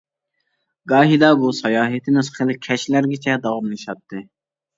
گاھىدا بۇ ساياھىتىمىز خىلى كەچلەرگىچە داۋاملىشاتتى.